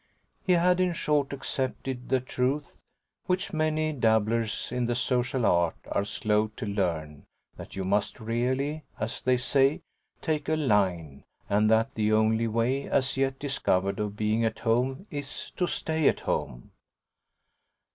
He had in short accepted the truth which many dabblers in the social art are slow to learn, that you must really, as they say, take a line, and that the only way as yet discovered of being at home is to stay at home.